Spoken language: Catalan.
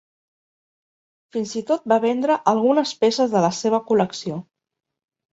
Fins i tot va vendre algunes peces de la seva col·lecció.